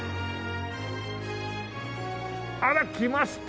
あらきました